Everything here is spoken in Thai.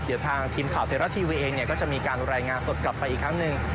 เดี๋ยวทางทีมข่าวไทยรัฐทีวีเองก็จะมีการรายงานสดกลับไปอีกครั้งหนึ่ง